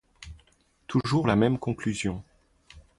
Toujours la même conclusion.